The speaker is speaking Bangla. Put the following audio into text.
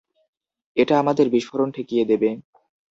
এটা আমাদের বিস্ফোরণ ঠেকিয়ে দেবে।